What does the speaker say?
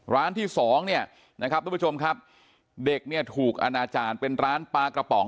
ร้านที่สองเด็กเนี่ยถูกอนาจารย์เป็นร้านปลากระป๋อง